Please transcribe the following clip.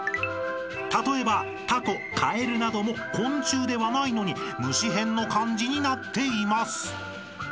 ［例えばタコカエルなども昆虫ではないのに虫へんの漢字になっています］